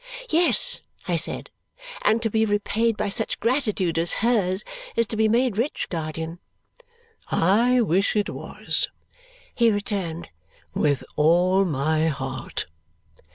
"Yes," I said; "and to be repaid by such gratitude as hers is to be made rich, guardian." "I wish it was," he returned, "with all my heart."